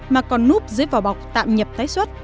mà còn núp dưới vỏ bọc tạm nhập tái xuất